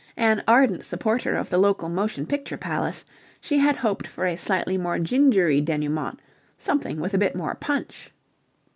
An ardent supporter of the local motion picture palace, she had hoped for a slightly more gingery denouement, something with a bit more punch.